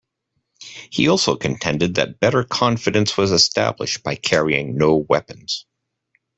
He also contended that better confidence was established by carrying no weapons.